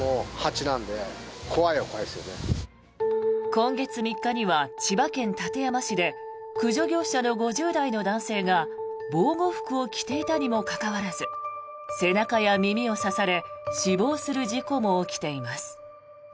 今月３日には千葉県館山市で駆除業者の５０代の男性が防護服を着ていたにもかかわらず背中や耳を刺され死亡する事故も起きています。